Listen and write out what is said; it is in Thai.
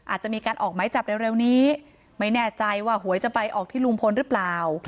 อาจจะมีการออกไม้จับเร็วนี้ไม่แน่ใจว่าหวยจะไปออกที่ลุงพลหรือเปล่า